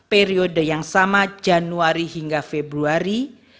periode yang sama januari hingga februari